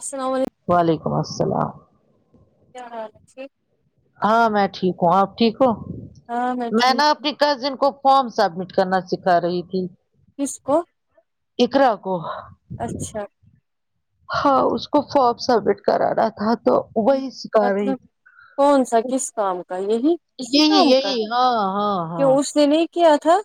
السلام وعلیکم وعلیکم السلام کیا حال ٹھیک ہاں میں ٹھیک ہوں آپ ٹھیک وہ ہاں میں نا ٹھیک آپ کی کزن کو فام سبمٹ کرنا سکھا رہی تھی کس کو اقرا کو اچھا ہاں اس کو فارم سبمٹ کرانا تھا تو وہی سکھا رہی مطلب تھی کون سا کس کام کا یہی کسی یہی کام کا یہی ہاں ہاں کہ ہاں اس نے نہیں کیا تھا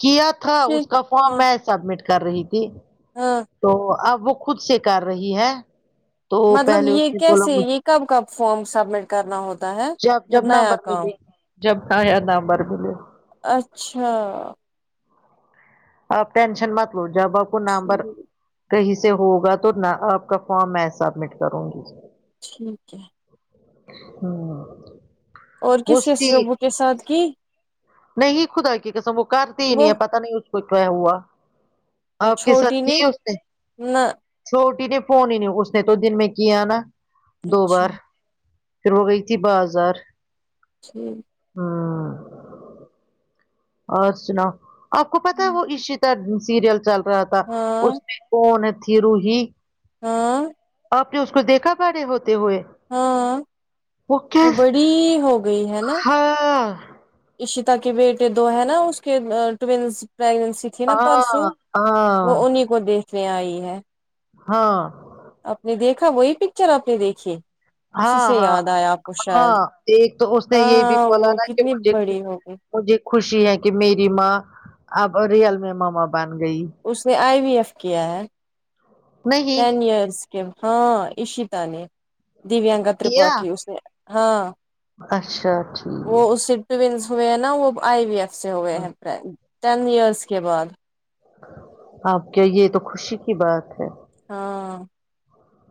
کیا تھا پھر اس کا فارم ہاں میں سبمٹ کر رہی تھی ہاں تو اب وہ خود سے کر رہی ہے تو مطلب پہلے اس یہ نے بولا کیسے مجھ یہ کب کب فورم سبمٹ کرنا ہوتا ہے جب نیا کام جب نیا نمبر بولو اچھا آپ ٹینشن مت لو جب آپ کو نامبر کہیں سے ہوگا تو نہ آپ کا فارم میں سبمٹ کروں گی ٹھیک ہے ہاں اور کس کے شعبوں کے ساتھ کی نہیں خدا کی قسم وہ کرتی ہی وہ نہیں ہے پتا نہیں اس کو کیا ہوا آپ کی ساتھ کی ہے اس نے نہ چھوٹی نے فون ہی نہیں اس نے تو دن میں کیا نا دو اچھا بار پھر وہ گئی تھی بازار جی ہاں اور سناو آپ کو پتا ہے وہ عشتا سیریل چل رہا تھا ہاں اس میں کون ا تھی روہی ہاں آپ نے اس کو دیکھا بڑے ہوتے ہوئے ہاں وہ کیا ہاں اشیتا کے بیٹے دو ہے نا اس کے ٹوینس پرگنسی تھی نا پرسوں ہاں ہاں وہ انہیں کو دیکھنے آئی ہے ہاں آپ نے دیکھا وہی پکچر آپ نے دیکھی اسی ہاں سے ہاں یاد آیا آپ کو ہاں شاید ایک تو اس نے یہ بھی ہاں بولا وہ نا کہ کتنی مجھے بڑی ہوگی مجھے خوشی ہے کہ میری ماں اب رئل میں ماما بن گئی اس نے آئی وی ایف کیا ہے نہیں ٹین ایئرس ہاں عشتا نے دویانکا کیا ترپاٹھی اس سے ہاں اچھا ٹھیک ٹینس ہوئے ہیں نا وہ آئی وی ایف سے ہوئے ہیں ٹین ایئرس کے بعد آپ کیے یہ تو خوشی کی بات ہے ہاں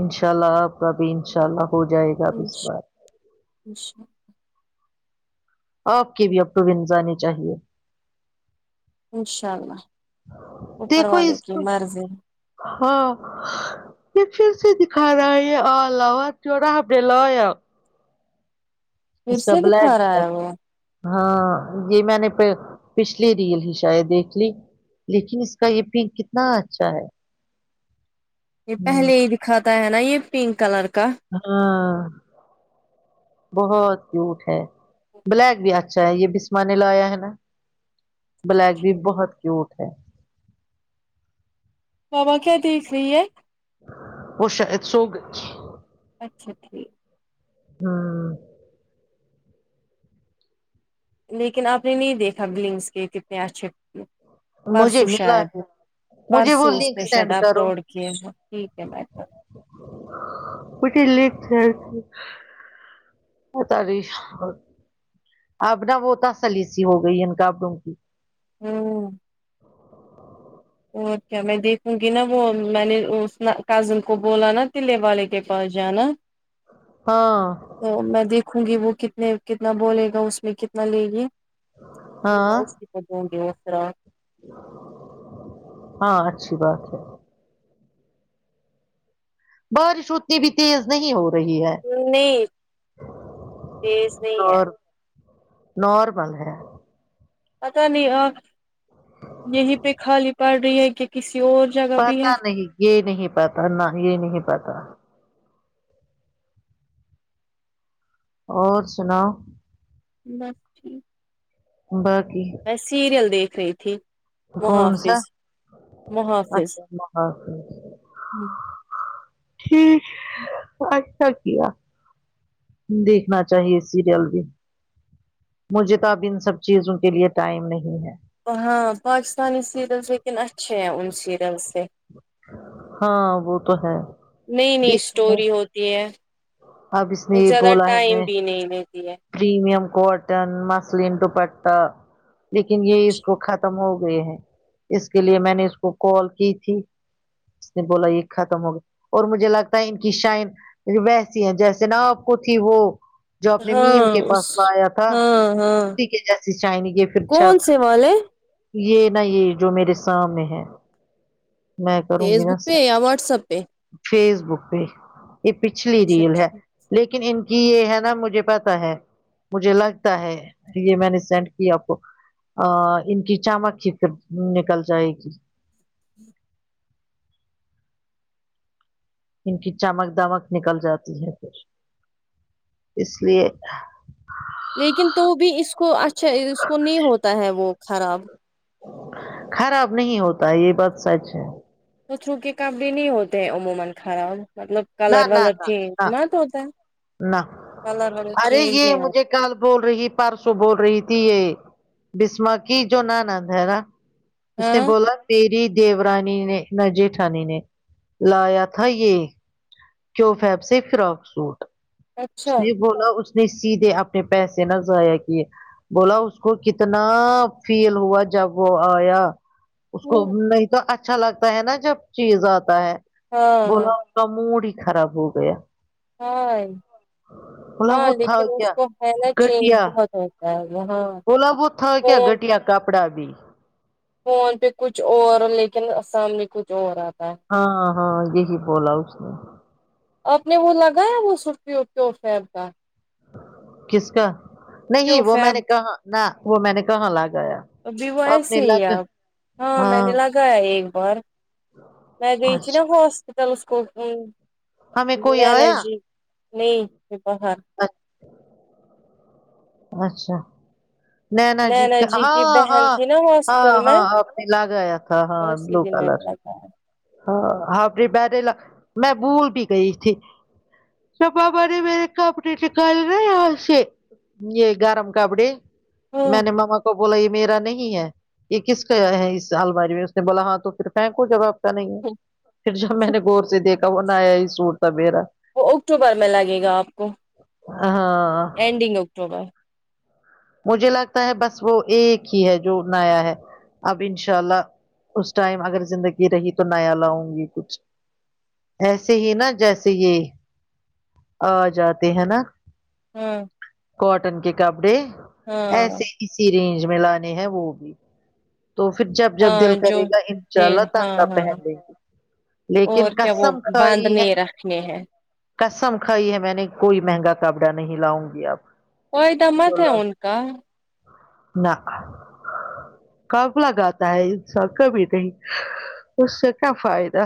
انشاء اللہ آپ کا بھی انشاء اللہ ہو جائے گا اب اچ اس بار اچھا آپ کی بھی اب ٹونس انی چاہیے انشاء اللہ اوپر دیکھو والے اس کی کو مرضی ہاں پ پھر سے دکھا رہا ہے آو [unintelligible] جوڑا نے لیا پھر اس کا سے بلیک دکھا رہا ہے وہ ہاں یہ میں نے پ پچھلی ریل ہی شاید دیکھ لی لیکن اس کا یہ پک کتنا اچھا ہے یہ ہوں پہلے ہی دکھاتا ہے نا یہ پنک کلر کا ہاں بہت کیوٹ ہے بلیک بھی اچھا ہے یہ بسما نے لایا ہے نا بلیک بھی بہت کیوٹ ہے بابا کیا دیکھ رہی ہے وہ شاید سوگ اچھا ٹھیک ہاں لیکن آپ نے نہیں دیکھا بلنس کے کتنے اچھے مجھے پرسوں ملا شاید ہے مجھے وہ پرسوں اس لنک نے شاید سینڈ آپ کرو لوڈ کے ٹھیک ہے بہتر [unintelligible] پتہ نہیں اب نا وہ تسلی سی ہو گئی ان کپڑوں کی ہوں اور کیا میں دیکھوں گی نا وہ میں نے اس کزن کو بولا نا تے والے کے پ جانا ہاں تو میں دیکھوں گی وہ کتنے کتنا بولے گا اس میں کتنا لے گی ہاں مس پ گے فرا [unintelligible] [inaudible] ہاں اچھی بات ہے بارش اتنی بھی تیز نہیں ہو رہی ہے نہیں تیز نہیں ہے اور نارمل ہے پتہ نہیں آپ یہی پہ خالی پڑ رہی ہے کہ کسی اور جگہ بھی ہے پتا نہیں یہ نہیں پتا نہ یہ نہیں پتا اور سناؤ بس ٹھیک باقی میں سیریل دیکھ رہی تھی کون سا محافظ محافظ اچھا محافظ ہوں ٹھیک اچھا کیا دیکھنا چاہیے سیریئل بھی مجھے تو اب ان سب چیزوں کے لیے ٹائم نہیں ہے ہاں پاکستانی سیریلس لیکن اچھے ہیں ان سیریل سے ہاں وہ تو ہے نئی نئی دیکھو میں اسٹوری ہوتی ہے اب اس نے اور یہ زیادہ بولا ہے ٹائم میں بھی نہیں لیتی ہے پریمیم کاٹن مصلن دو پٹا لیکن یہ اس کو ختم ہو گئے ہیں اس کے لیے میں نے اس کو کال کی تھی اس نے بولا یہ ختم ہو گیا اور مجھے لگتا ہے ان کی شائن ویسی ہیں جیسے نا آپ کو تھی وہ جو اپنے میم ہاں کے پاس اس لایا تھا ہاں ہاں کتی کے جیسی چائنی کے پھر چک کون سے والے یہ نہ یہ جو میرے سام میں ہے میں کروں گی فیس بک پہ سیٹ یا واٹس ایپ پہ فیس بک پہ یہ پچھلی اچھا ریل ہے ٹھیک لیکن ان کی یہ ہے نا مجھے پتا ہے مجھے لگتا ہے یہ میں نے سینڈ کیا آپ کو ا ان کی چمکھی نکل جائے گی ان کی چمک دمک نکل جاتی ہے پھر اس لیے لیکن تو بھی اس کو اچھا اس کو نہیں ہوتا ہے وہ خراب خراب نہیں ہوتا یہ بات سچ ہے تو بچوں کے کپڑے نہیں ہوتے عموما خراب مطلب کلر نہ نہ ولر نہ چینج نہ تو ہوتا نہ کلر ولر ارے چینج یہ نہیں مجھے ہوتا کل بول رہی پرسوں بول رہی تھی یہ بسما کی جو نہ نند ہے نا اس نے ہاں بولا تیری دیورانی نے نہ جیٹھانی نے لایا تھا یہ کیوں فیب سے فراک سوٹ اس اچھا نے بولا اس نے سیدھے اپنے پیسے نہ ضائع کیے بولا اس کو کتنا فیل ہوا جب وہ آیا اس کو ہاں نہیں تو اچھا لگتا ہے نا جب چیز آتا ہے ہاں بلا تو اس کا موڈ ہی خراب ہو گیا ہائے بولا ہاں وہ تھا لیکن اس کیا کو ہے نا چینج گٹیا بہت ہوتا ہے وہاں بولا وہ تھا کیا گٹیا کپڑا بھی فون پہ کچھ اور لیکن ا سام میں کچھ اور آتا ہاں ہاں یہی بولا اس نے آپ نے وہ لگایا وہ سوپک وک فن کا کس کا نہیں کیو وہ میں نے فیب کہاں نہ وہ میں نے کہاں لا گایا جی وہ ایس ہی آپ ہاں میں نے لگایا ایک بار میں گئی تھی نہ اچھا ہاس ٹیلسکوپنگ ہمیں کوئی نین آیا جی نہیں باہر اچھ اچھا نینا جی کا کی ہاں بہن ہاں تھی نا ہاں ہاسٹل میں ہاں آپ نے لاگایا تھا ہاں بلو کلر اکانٹ ہاں ہاں بڈرلا میں بھول بھی گئی تھی صفا بولری میرے کپڑے نکالے نہ یہاں سے یہ گرم کپڑے ہے۔ میں نے مما کو بولا یہ میرا نہیں ہے یہ کس کا ہے اس آلباری میں اس نے بولا ہاں تو پھر پاک ہوکہ رک نہیں ہے پھر جب میں نے غور سے دیکھا وہ نہ آیا ہی سوٹ تھا میرا وہ اکتوبر میں لگے گا آپ کو ہاں اینڈنگ اکٹوبر مجھے لگتا ہے بس وہ ایک ہی ہے جو نیا ہے اب انشاء اللہ اس ٹائم اگر زندگی رہی تو نیا لاؤں گی کچھ ایسے ہی نا جیسے یہ آ جاتے ہیں نا ہمم کاٹن کے کپڑے ہاں ایسے اسی رینج میں لانے ہیں وہ بھی تو پھر جب جب دل ہاں جو کرے گا جیل انشاءاللہ ہاں تنگہ ہاں پہن لے گی لیکن اور کیا وہ قسم کھائی ہے باندھنے رکھنے ہیں قسم کھائی ہے میں نے کوئی مہنگا کپڑا نہیں لاؤں گی اپ وہ ادمت ہے ان کا نہ کاب لگاتا ہے انسان کبھی نہیں اس سے کیا فائدہ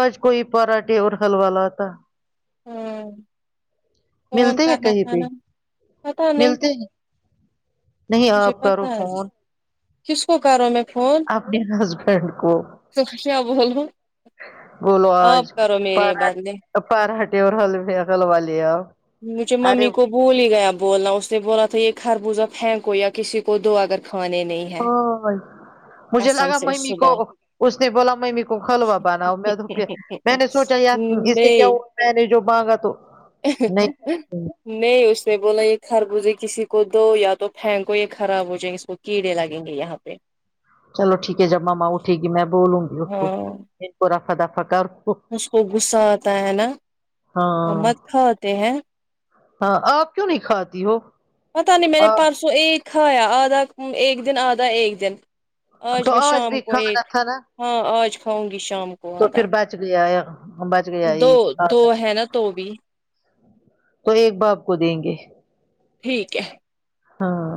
آج کوئی پراٹھے اور حلوا لاتا ہاں فون ملتے ہے کرنا کہیں تھا پہ نا پتا نہیں ملتے ہیں نہیں مجھے آپ کرو پتا ہے فون کس کو کروں میں فون اپنے ہسبینڈ کو کیا بولوں بولو آپ آج کرو میرے پر بدلے پرہاٹے اور حلوے حلوہ لے او مجھے ممی کو بھول ہی گیا بولنا اس نے بولا تھا یہ خربوزہ پھینکو یا کسی کو دو اگر کھانے نہیں ہے ہاں مجھے قسم لگا سے ممی کو صبح اس نے بولا ممی کو حلوہ بناو دھوکہ میں نے سوچا یار جسے کیا نہیں ہوا میں نے جو مانگا تو نہیں نہیں اس نہ بولا یہ خربوزہ کسی کو دو یا تو پھینکو یہ خراب ہو جائیں گے اس کو کیڑے لگیں گے یہاں پہ چلو ٹھیک ہے جب مما اٹھے گی میں بولوں گی اس کو ہاں ان کو رفا دفع کر اس کو غصہ آتا ہے نا اور ہاں مت کھاتے ہیں ہاں آپ کیوں نہیں کھاتی ہو پت نہیں میں نے پرسوں ایک کھایا ادھا ایک دن ادھا ایک دن تو آج میں شام بھی کو کھانا ایک تھا نا ہاں آج کھاؤں گی شام کو تو آدھا پھر بچ گیا یہ بچ گیا دو ایک دو ہے نا تو بھی تو ایک باپ کو دیں گے ٹھیک ہے ہاں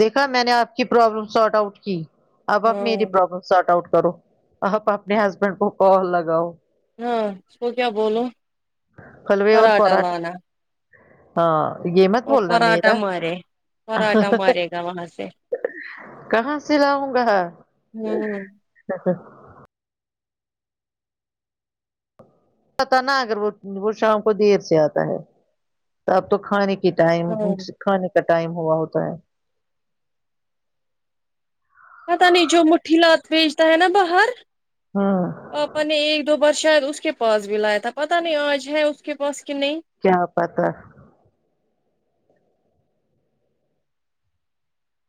دیکھا میں نے آپ کی پرابلم ساؤٹ آؤٹ کی اب آپ میری ہاں پرابلم ساؤٹ آؤٹ کرو آپ اپنے ہسبینڈ کو کال لگاؤ ہاں اس کو کیا بولوں حلوے اور پراٹھا پراٹھے لانا ہاں یہ مت بولنا پراٹھا میرا مارے پراٹھا مارے گا وہاں سے کہاں سے لاؤنگا ہوں پتا نا اگر وہ وہ شام کو دیر سے آتا ہے تو اب تو کھانے کی ٹائم ہاں س کھانے کا ٹائم ہوا ہوتا ہے پتا نہیں جو مٹھی لات بیچتا ہے نا باہر ہاں پاپا نے ایک دو بار شاید اس کے پاس بھی لایا تھا پتہ نہیں آج ہے اس کے پاس کہ نہیں کیا پتا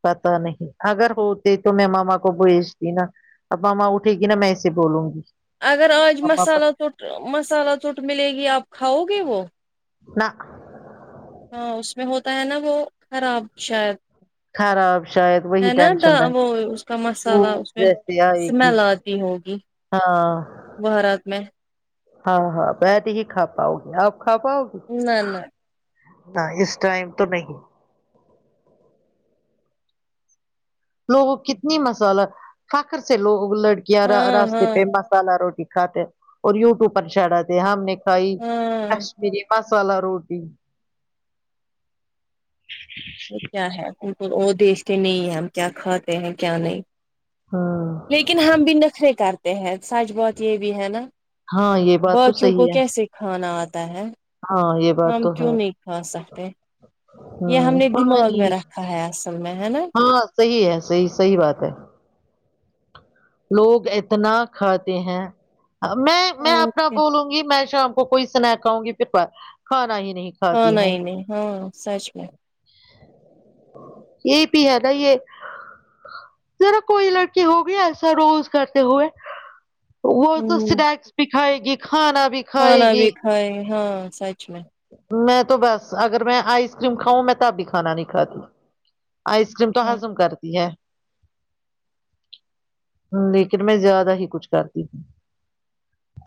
پتا نہیں اگر ہوتے تو میں مما کو بھیجتی نا اب مما اٹھے گی نا میں اسے بولوں گی اگر آج ماما کو مسالہ ٹوٹ مسالہ ٹوٹ ملے گی آپ کھاؤ گے وہ نا ہاں اس میں ہوتا ہے نا وہ خراب شاید خراب شاید وہی ہے نا ڈا ٹینشن رہے وہ اس کا وہ مسالہ اس میں جیسے آئے گی اسمیل آتی ہوگی ہاں وہ رات میں ہاں ہاں بید ہی کھا پاؤ گی آپ کھا پاؤ گی نا نا نا اس ٹائم تو نہیں لو وہ کتنی مسالہ فخر سے لوگ لڑکیاں را ہاں راستے ہاں پہ مسالہ روٹی کھاتے اور یوٹیوب پر چڑھا تے ہم نے کھائی ہاں کشمیری مسالہ روٹی وہ کیا ہے اور دیکھتے نہیں ہے ہم کیا کھاتے ہیں کیا نہیں ہوں لیکن ہم بھی نخرے کرتے ہیں سچ بات یہ بھی ہے نا ہاں یہ بات تو باقیوں کو صحیح ہے کیسے کھانا آتا ہے ہاں یہ بات ہم تو کیوں ہے نہیں کھا سکتے یہ ہم نے ہاں دماغ میں نہیں رکھا ہے اصل میں ہے نا ہاں صحیح ہے صحیح صحیح بات ہے لوگ اتنا کھاتے ہیں میں میں اپنا اوکے بولوں گی میں شام کو کوئی سنیک کھاؤ گی پھر بار کھانا ہی نہیں کھاتی کھانا ہوں ہی نہیں ہاں سچ میں یہ پی ہے نا یہ تیرا کوئی لڑکی ہو گی ایکس پوز کرتے ہوئے وہ تو ہوں سنیکس بھی کھائے گی کھانا بھی کھائے کھانا بھی گی کھائیں ہاں سچ میں میں تو بس اگر میں آئس کریم کھاؤں میں تب بھی کھانا نہیں کھاتی آئس کریم تو ہاں ہزم کرتی ہے لیکن میں زیادہ ہی کچھ کرتی ہوں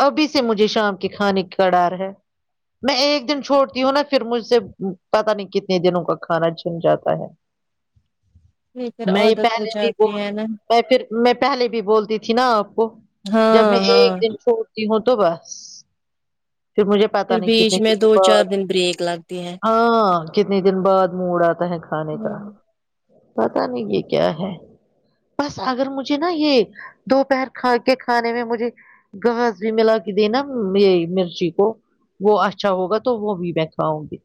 ابھی سے مجھے شام کے کھانے کی کڑاڑ ہے میں ایک دن چھوڑتی ہوں نا پھر مجھ سے پتا نہیں کتنے دنوں کا کھانا چھن جاتا ہے پھر پھر میں یہ عادت ہو پہلے بھی جاتی بول ہے نا میں پھر میں پہلے بھی بولتی تھی نا آپ کو جب میں ہاں ہاں ایک دن چھو تی ہوں تو بس پھر مجھے پتا پھر نہیں کت نے بیچ میں دو چار دن بریک لگتی ہے ہاں کتنے دن بعد موڈ آتا ہے کھانے کا ہوں پتا نہیں یہ کیا ہے بس اگر مجھے نا یہ دوپہر کھا کے کھانے میں مجھے گھاس بھی ملا کے دینا یہ میری مرچی کو وہ اچھ اچھا ہوگا تو وہ بھی میں کھاؤ گی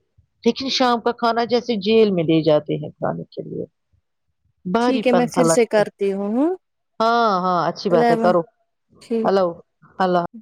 لیکن شام کا کھانا جیسے جیل میں لے جاتے ہیں کھانے کے لیے بھاری ٹھیک ہے پن میں سا پھر سے لگتا ہے کرتی ہوں ہاں ہاں اچھی بات ہے الیون کرو ٹھیک ہیلو ہیلو